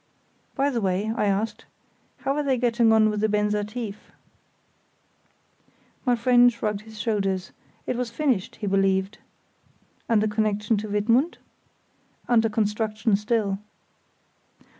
"By the way," I asked, "how are they getting on with the Benser Tief?" My friend shrugged his shoulders; it was finished, he believed. "And the connexion to Wittmund?" "Under construction still."